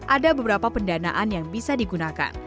ada beberapa pendanaan yang bisa digunakan